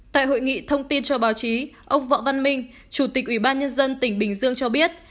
tại hội nghị thông tin cho báo chí ông võ văn minh chủ tịch ủy ban nhân dân tỉnh bình dương cho biết